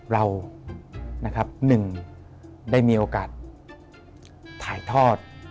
เรานะครับหนึ่งได้มีโอกาสถ่ายทอด